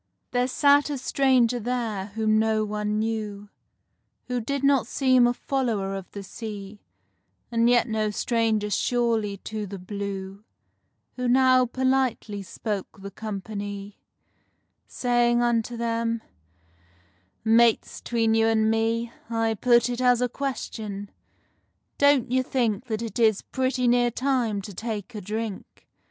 There sat a stranger there whom no one knew, Who did not seem a follower of the sea, And yet no stranger surely to the Blue, Who now politely spoke the company, Saying unto them: "Mates, 'tween you and me, I put it as a question—don't you think That it is pretty near time to take a drink?